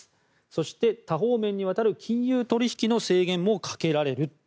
そして、多方面にわたる金融取引の制限もかけられると。